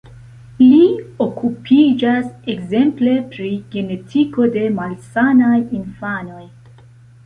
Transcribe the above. Li okupiĝas ekzemple pri genetiko de malsanaj infanoj.